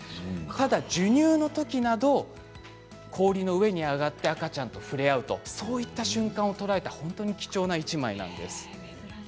ただ授乳のときなど氷の上に上がって赤ちゃんと触れ合うそういった瞬間をとらえた本当に貴重な１枚なんです。